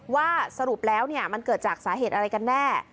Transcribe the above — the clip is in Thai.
ว่าสรุปแล้วมันเกิดจากสาเหตุอะไรกันแน่